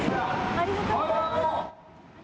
ありがとうございます。